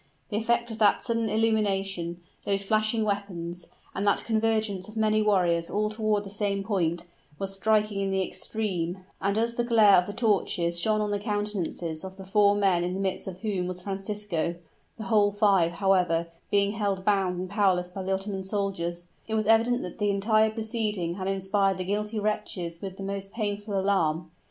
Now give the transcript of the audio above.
The effect of that sudden illumination those flashing weapons and that convergence of many warriors all toward the same point, was striking in the extreme, and as the glare of the torches shone on the countenances of the four men in the midst of whom was Francisco (the whole five, however, being held bound and powerless by the Ottoman soldiers), it was evident that the entire proceeding had inspired the guilty wretches with the most painful alarm.